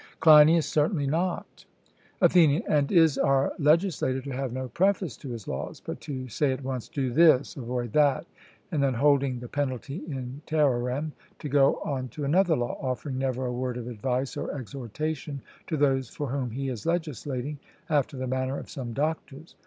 CLEINIAS: Certainly not. ATHENIAN: And is our legislator to have no preface to his laws, but to say at once Do this, avoid that and then holding the penalty in terrorem, to go on to another law; offering never a word of advice or exhortation to those for whom he is legislating, after the manner of some doctors?